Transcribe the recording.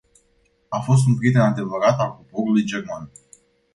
A fost un prieten adevărat al poporului german.